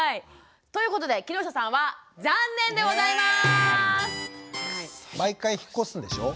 ということで木下さんは残念でございます！